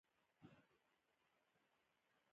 ډاکټر باید خواخوږی وي